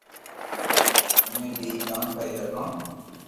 ايي مي امي ڪاوُ ڪري ھگو